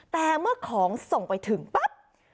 แต่เมื่อของส่งไปถึงปั๊บ